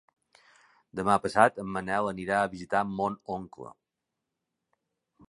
Demà passat en Manel anirà a visitar mon oncle.